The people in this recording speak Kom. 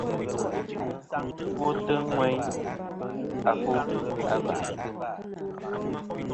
Chwotɨ ŋweyn wù fu afo ki a và kɨŋ.